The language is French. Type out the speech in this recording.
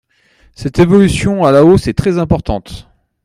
Cette évolution à la hausse est très importante.